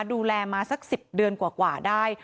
ดูแลมาสัก๑๐เดือนกว่าได้